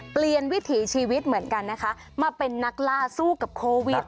วิถีชีวิตเหมือนกันนะคะมาเป็นนักล่าสู้กับโควิด